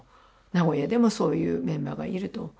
名古屋でもそういうメンバーがいると。